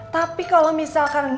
tapi kalau misalkan